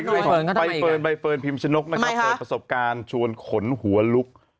ใบเฟิร์นใบเฟิร์นพิมชนกทำไมคะประสบการณ์ชวนขนหัวลุก